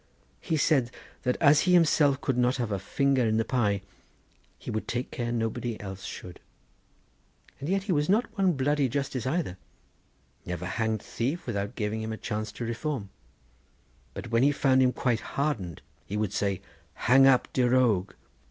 He said that as he himself could not have a finger in the pie, he would take care nobody else should. And yet he was not one bloody justice either; never hanged thief without giving him a chance to reform; but when he found him quite hardened he would say: 'Hang up de rogue!